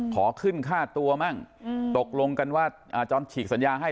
ขอขึ้นค่าตัวมั่งตกลงกันว่าจอมฉีกสัญญาให้